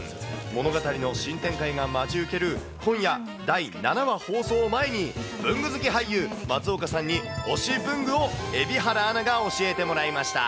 物語の新展開が待ち受ける今夜、第７話放送を前に、文具好き俳優、松岡さんに推し文具を蛯原アナが教えてもらいました。